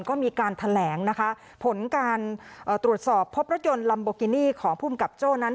ก็มีการแถลงนะคะผลการตรวจสอบพบรถยนต์ลัมโบกินี่ของภูมิกับโจ้นั้น